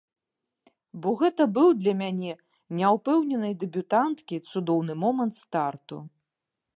Бо гэта быў для мяне, няўпэўненай дэбютанткі, цудоўны момант старту.